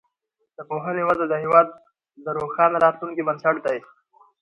د پوهنې وده د هیواد د روښانه راتلونکي بنسټ دی.